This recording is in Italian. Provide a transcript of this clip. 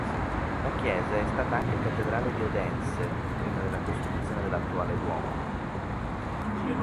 La chiesa è stata anche cattedrale di Odense, prima della costruzione dell'attuale duomo.